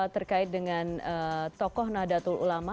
terkait dengan tokoh nahdlatul ulama